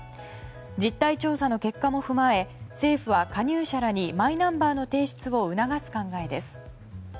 実態調査の結果も踏まえ政府は加入者らにマイナンバーの提出を促す考えです。